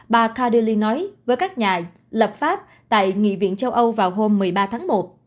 bà kadehi nói với các nhà lập pháp tại nghị viện châu âu vào hôm một mươi ba tháng một